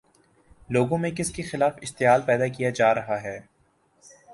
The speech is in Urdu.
لوگوں میں کس کے خلاف اشتعال پیدا کیا جا رہا ہے؟